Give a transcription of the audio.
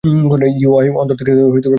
ইউহাওয়ার অন্তর থেকে ভীতি দূর হতে থাকে।